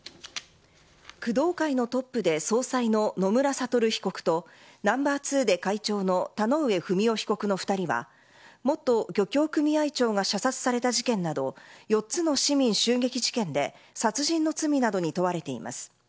工藤会のトップで総裁の野村悟被告とナンバー２で会長の田上不美夫被告の２人は元漁協組合長が射殺された事件など４つの市民襲撃事件で殺人の罪などに問われています。